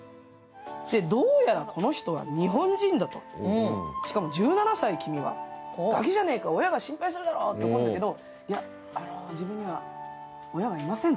どうやらこの人は日本人だと、１７歳だと、ガキじゃねえか、親が心配するんだろって怒るんだけど、いや、自分には親はいません。